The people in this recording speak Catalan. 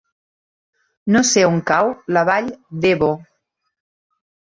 No sé on cau la Vall d'Ebo.